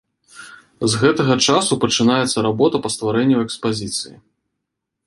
З гэтага часу пачынаецца работа па стварэнню экспазіцыі.